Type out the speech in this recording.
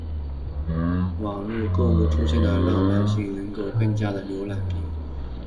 网路购物的出现让男性能够更便利地浏览并购买各式各样的内衣商品。